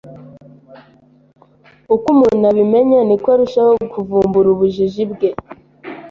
Uko umuntu abimenya, niko arushaho kuvumbura ubujiji bwe.